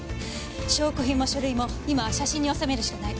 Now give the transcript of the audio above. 証拠品も書類も今は写真におさめるしかない。